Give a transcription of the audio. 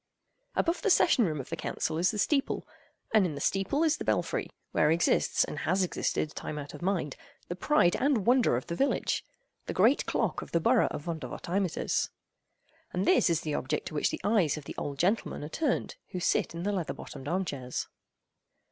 Above the session room of the Council is the steeple, and in the steeple is the belfry, where exists, and has existed time out of mind, the pride and wonder of the village—the great clock of the borough of Vondervotteimittiss. And this is the object to which the eyes of the old gentlemen are turned who sit in the leather bottomed arm chairs.